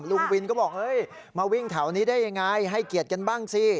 ลุงวินก็บอกเฮ้ยมาวิ่งแถวนี้ได้ยังไงให้เกียรติกันบ้างสิ